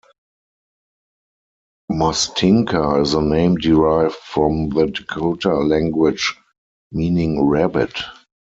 Mustinka is a name derived from the Dakota language meaning "rabbit".